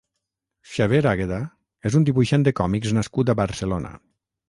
Xavier Àgueda és un dibuixant de còmics nascut a Barcelona.